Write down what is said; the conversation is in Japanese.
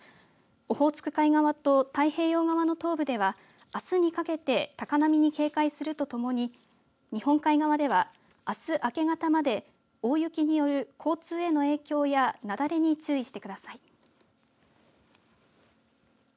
オホーツク海側と太平洋側の東部ではあすにかけて高波に警戒するとともに日本海側では、あす明け方まで大雪による交通への影響や雪崩に注意してください。